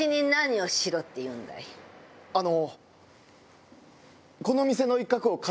あの。